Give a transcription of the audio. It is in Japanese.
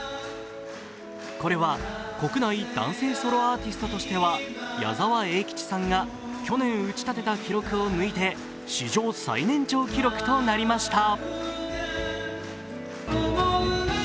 これは国内男性ソロアーティストとしては矢沢永吉さんが去年、打ち立てた記録を抜いて史上最年長記録となりました。